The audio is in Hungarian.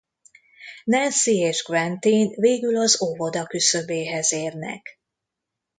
Nancy és Quentin végül az óvoda küszöbéhez érnek.